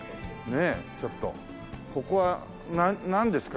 ここはなんですか？